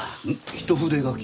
一筆書き？